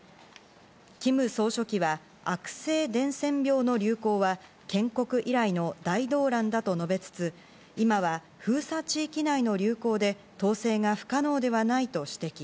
キム総書記は悪性伝染病の流行は建国以来の大動乱だと述べつつ、今は封鎖地域内の流行で統制が不可能ではないと指摘。